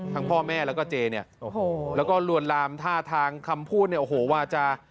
พ่อแม่แล้วก็เจเนี่ยโอ้โหแล้วก็ลวนลามท่าทางคำพูดเนี่ยโอ้โหวาจา